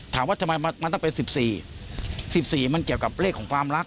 ถามว่าทำไมมันต้องเป็น๑๔๑๔มันเกี่ยวกับเลขของความรัก